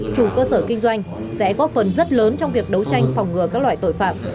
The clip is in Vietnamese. chủ cơ sở kinh doanh sẽ góp phần rất lớn trong việc đấu tranh phòng ngừa các loại tội phạm